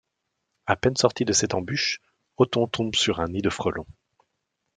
À peine sorti de cette embuche, Otto tombe sur un nid de frelons.